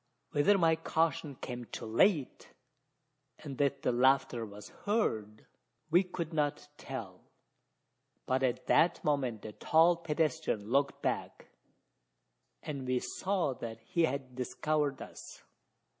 Whether my caution came too late, and that the laughter was heard, we could not tell; but at that moment the tall pedestrian looked back, and we saw that he had discovered us.